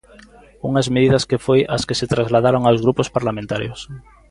Unhas medidas que foi as que se trasladaron aos grupos parlamentarios.